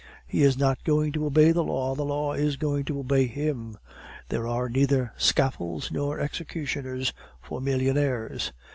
He is not going to obey the law the law is going to obey him. There are neither scaffolds nor executioners for millionaires."